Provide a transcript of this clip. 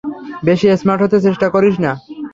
বেশি স্মার্ট হতে চেস্টা করিছ না।